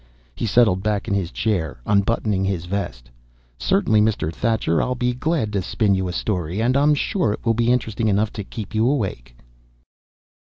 He settled back in his chair, unbuttoning his vest. "Certainly, Mr. Thacher. I'll be glad to spin you a story. And I'm sure it will be interesting enough to keep you awake."